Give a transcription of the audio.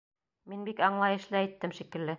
Мин бик аңлайышлы әйттем шикелле.